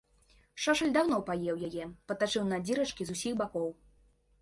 Шашаль даўно паеў яе, патачыў на дзірачкі з усіх бакоў.